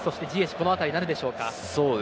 この辺りになるでしょうか。